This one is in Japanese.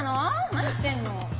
何してんの？